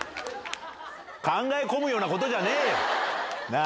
考え込むようなことじゃねえよ、なぁ。